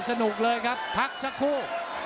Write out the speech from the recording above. สนุกเลยครับพักสักครู่